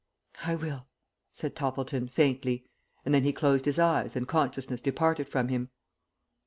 "I will," said Toppleton, faintly, and then he closed his eyes and consciousness departed from him.